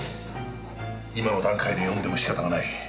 今の段階で呼んでも仕方がない。